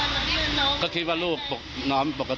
หมอจะติดหนูแตกมาแล้วตอนนั้นไม่เป็นน้อง